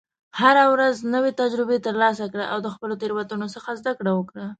هره ورځ نوې تجربې ترلاسه کړه، او د خپلو تېروتنو څخه زده کړه وکړه.